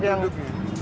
lebih banyak duduk